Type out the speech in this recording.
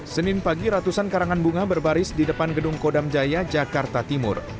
senin pagi ratusan karangan bunga berbaris di depan gedung kodam jaya jakarta timur